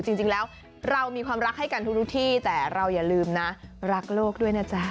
จริงแล้วเรามีความรักให้กันทุกที่แต่เราอย่าลืมนะรักโลกด้วยนะจ๊ะ